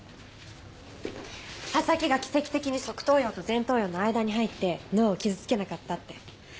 刃先が奇跡的に側頭葉と前頭葉の間に入って脳を傷つけなかったって。